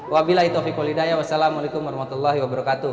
wabila itofiqolidayah wassalamualaikum warahmatullahi wabarakatuh